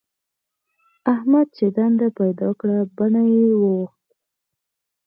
احمد چې دنده پيدا کړه؛ بڼه يې واوښته.